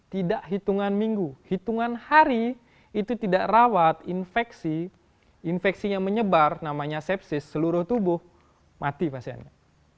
tidak hitungan minggu hitungan hari itu tidak rawat infeksi infeksinya menyebar namanya sepsis seluruh tubuh mati pasiennya